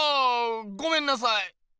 ごめんなさい。